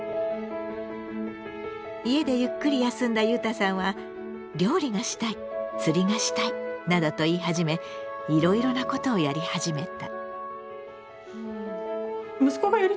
家でゆっくり休んだゆうたさんは「料理がしたい釣りがしたい」などと言い始めいろいろなことをやり始めた。